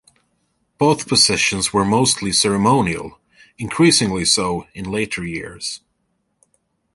Both positions were mostly ceremonial, increasingly so in later years.